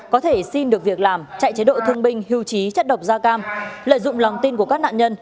có thể xin được việc làm chạy chế độ thương binh hưu trí chất độc da cam lợi dụng lòng tin của các nạn nhân